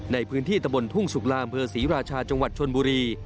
ในพื้นที่ตะบนทุ่งสุขลามเภอศรีราชาจังหวัดชนบุรี